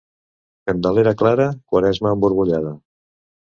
Candelera clara, Quaresma emborbollada.